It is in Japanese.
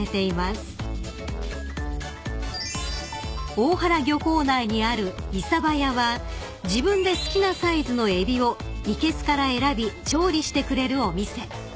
［大原漁港内にあるいさばやは自分で好きなサイズのエビをいけすから選び調理してくれるお店］